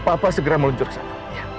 papa segera meluncur sana